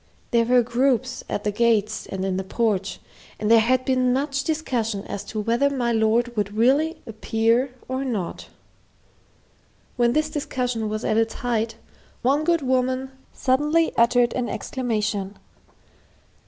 There were groups at the gates and in the porch, and there had been much discussion as to whether my lord would really appear or not. When this discussion was at its height, one good woman suddenly uttered an exclamation.